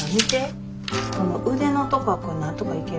この腕のとこはこれなんとかいけるわ。